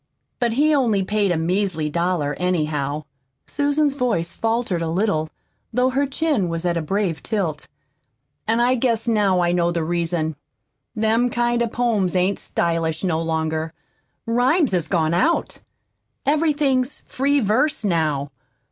but he only paid a measly dollar anyhow." Susan's voice faltered a little, though her chin was at a brave tilt. "An' I guess now I know the reason. Them kind of poems ain't stylish no longer. Rhymes has gone out. Everything's 'free verse' now.